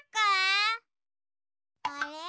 あれ？